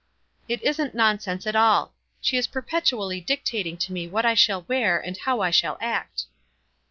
"It isn't nonsense at all. She is perpetually dictating to me what I shall wear and how I shall act."